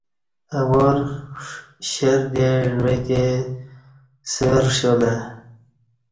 اہ وار شیردے عوہ کے سورہ ݜیالہ